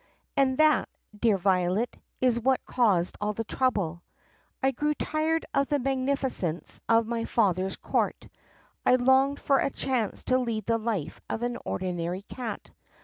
And that, dear Violet, is what caused all the trouble. I grew tired of the magnificence of my father's court. I longed for a chance to lead the life of an ordinary cat.